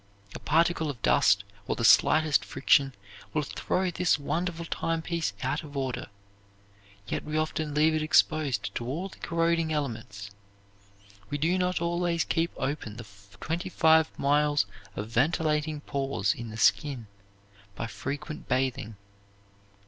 A particle of dust or the slightest friction will throw this wonderful timepiece out of order, yet we often leave it exposed to all the corroding elements. We do not always keep open the twenty five miles of ventilating pores in the skin by frequent bathing.